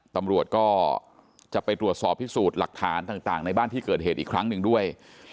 ตำรวจก็จะไปตรวจสอบพิสูจน์หลักฐานต่างในบ้านที่เกิดเหตุอีกครั้งหนึ่งด้วย